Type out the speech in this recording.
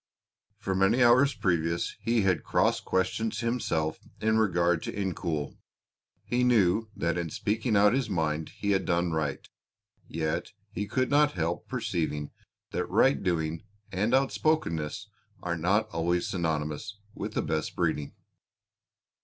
For many hours previous he had cross questioned himself in regard to Incoul. He knew that in speaking out his mind he had done right, yet he could not help perceiving that right doing and outspokenness are not always synonymous with the best breeding.